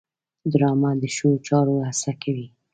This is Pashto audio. ډرامه د ښو چارو هڅونه کوي